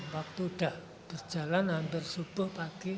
waktu udah berjalan hampir subuh pagi